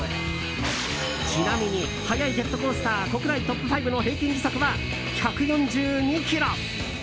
ちなみに速いジェットコースター国内トップ５の平均時速は１４２キロ。